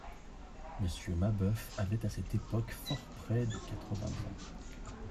Monsieur Mabeuf avait à cette époque fort près de quatre-vingts ans.